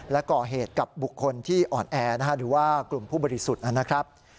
และก่อเหตุกับบุคคลที่อ่อนแอหรือว่ากลุ่มผู้บริสุทธิ์นะครับ